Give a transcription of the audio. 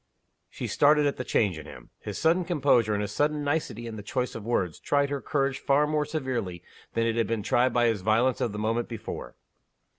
She started at the change in him. His sudden composure, and his sudden nicety in the choice of words, tried her courage far more severely than it had been tried by his violence of the moment before.